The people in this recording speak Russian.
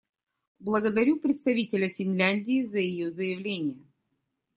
Благодарю представителя Финляндии за ее заявление.